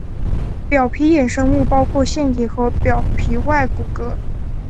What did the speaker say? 表皮衍生物包括腺体和表皮外骨骼。